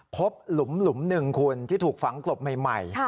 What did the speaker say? หลุมหนึ่งคุณที่ถูกฝังกลบใหม่